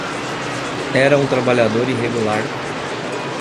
Era um trabalhador irregular